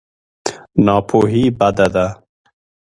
ناپوهي بده ده.